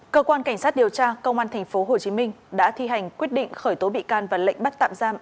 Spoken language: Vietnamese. cơ quan cảnh sát điều tra công an tp hcm đã thi hành quyết định khởi tố bị can và lệnh bắt tạm giam